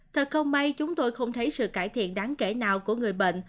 thật không may chúng tôi không thấy sự cải thiện đáng kể nào của người bệnh